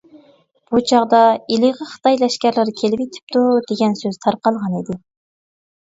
بۇ چاغدا «ئىلىغا خىتاي لەشكەرلىرى كېلىۋېتىپتۇ» دېگەن سۆز تارقالغانىدى.